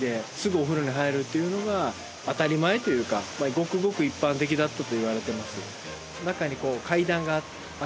ごくごく一般的だったといわれています。